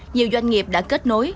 nhiều doanh nghiệp đã kết nối